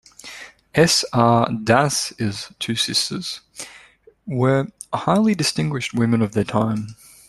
S. R. Das's two sisters were highly distinguished women of their time.